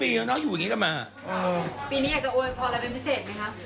ปีนี้อยากจะโวยพออะไรเป็นพิเศษไหมครับ